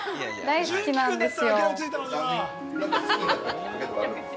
大好きなんですよ。